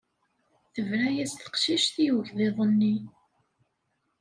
Tebra-as teqcict i ugḍiḍ-nni.